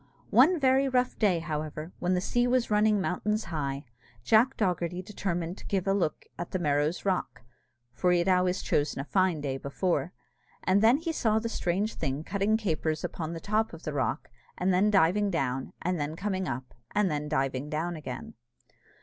One very rough day, however, when the sea was running mountains high, Jack Dogherty determined to give a look at the Merrow's rock (for he had always chosen a fine day before), and then he saw the strange thing cutting capers upon the top of the rock, and then diving down, and then coming up, and then diving down again.